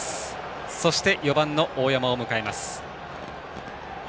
そして４番の大山を迎えます。